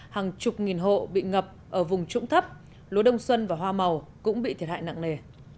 hàng chục nghìn hộ bị ngập ở vùng trũng thấp lúa đông xuân và hoa màu cũng bị thiệt hại nặng nề